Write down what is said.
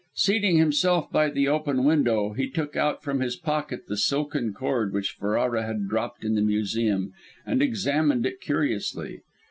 Seating himself by the open window, he took out from his pocket the silken cord which Ferrara had dropped in the Museum, and examined it curiously.